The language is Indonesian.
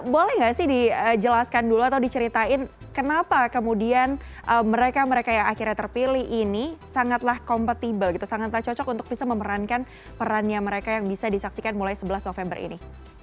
boleh nggak sih dijelaskan dulu atau diceritain kenapa kemudian mereka mereka yang akhirnya terpilih ini sangatlah competible gitu sangat tak cocok untuk bisa memerankan perannya mereka yang bisa disaksikan mulai sebelas november ini